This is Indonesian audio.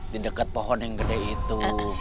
di dekat pohon yang gede itu